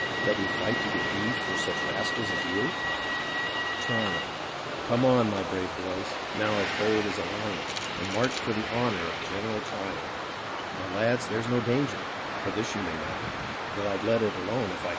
That we fight to get beef for such rascals as you ? Tryon Come on, my brave boys, now as bold as a lion, And march for the honour of General Tryon ; My lads, there's no danger, for this you may know, That I'd let it alone if I thought it was so.